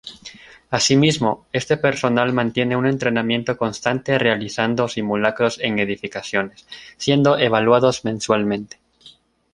Asimismo, este personal mantiene un entrenamiento constante realizando simulacros en edificaciones, siendo evaluados mensualmente.